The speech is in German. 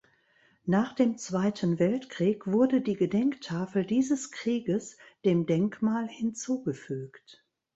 Nach dem Zweiten Weltkrieg wurde die Gedenktafel dieses Krieges dem Denkmal hinzugefügt.